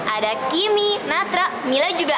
ada kimi natra mila juga ada